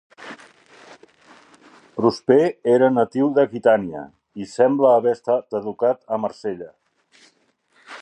Prosper era natiu d'Aquitània, i sembla haver estat educat a Marsella.